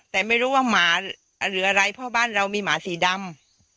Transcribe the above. แต่ไม่รู้ว่าหมาหรืออะไรเพราะบ้านเรามีหมาสีดำ